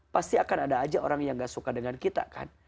pasti akan ada aja orang yang gak suka dengan kita kan